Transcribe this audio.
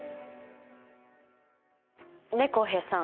ねえ浩平さん。